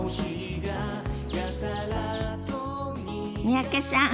三宅さん